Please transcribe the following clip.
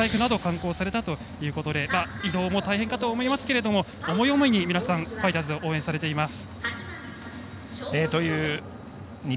太宰府などを観光されたということで移動も大変かと思いますが皆さん、思い思いにファイターズを応援されています。